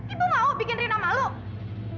ibu mau bikin rina malu